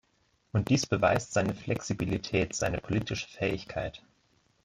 Und dies beweist seine Flexibilität, seine politische Fähigkeit.